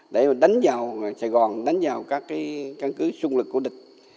để đánh vào sài gòn đánh vào các căn cứ xung lực của địch